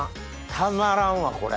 たまらんわこれ！